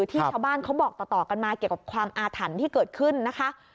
ที่ชาวบ้านเขาบอกต่อกันมาเกี่ยวกับความอาถรรพ์ที่เกิดขึ้นนะคะ